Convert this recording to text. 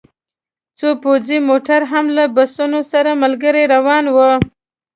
څو پوځي موټر هم له بسونو سره ملګري روان وو